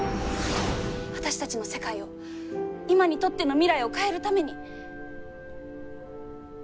私たちの世界を今にとっての未来を変えるために。